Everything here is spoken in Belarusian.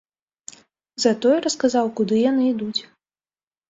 Затое расказаў, куды яны ідуць.